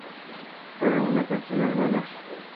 Para una canción, al menos.